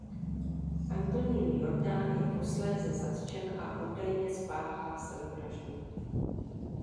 Antonín Jordán je posléze zatčen a údajně spáchá sebevraždu.